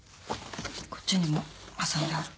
こっちにも挟んである。